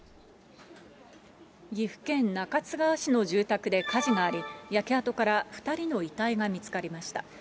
岐阜県中津川市の住宅で火事があり、焼け跡から２人の遺体が見つかりました。